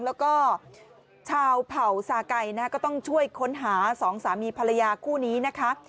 แล้วก็ชาวเผ่าสาไก่ก็ต้องช่วยค้นหาสองสามีภรรยาคู่นี้นะคะ